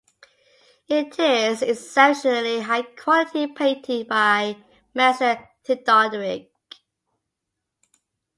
It is an exceptionally high quality painting by Master Theodoric.